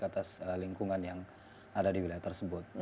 atas lingkungan yang ada di wilayah tersebut